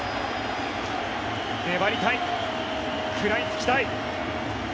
粘りたい、食らいつきたい。